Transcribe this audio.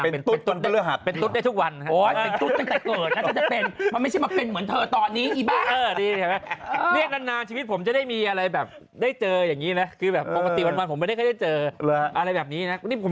ไม่ควรขึ้นบ้านใหม่ทำวันวันเสาร์ไม่ควร